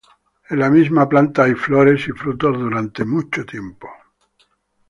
En la misma planta hay flores y frutos durante mucho tiempo.